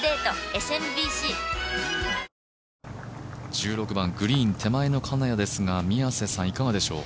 １６番グリーン手前の金谷ですが、いかがでしょう。